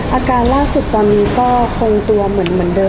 อาการล่าสุดตอนนี้ก็คงตัวเหมือนเดิม